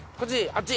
あっち？